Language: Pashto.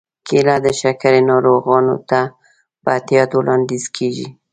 کېله د شکرې ناروغانو ته په احتیاط وړاندیز کېږي.